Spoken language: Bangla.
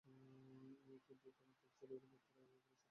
কিন্তু যখন তেল ছড়িয়ে পড়ে, তখন তারা একে অপরের সাথে প্রতিযোগিতা করে।